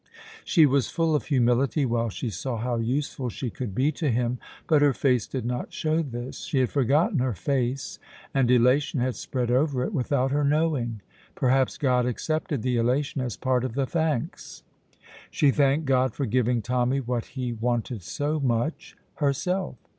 She was full of humility while she saw how useful she could be to him, but her face did not show this; she had forgotten her face, and elation had spread over it without her knowing. Perhaps God accepted the elation as part of the thanks. She thanked God for giving Tommy what he wanted so much herself.